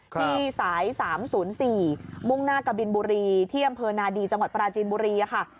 ที่สาย๓๐๔มุ่งหน้ากะบินบุรีที่อำเภอนาดีจังหวัดปราจีนบุรีค่ะ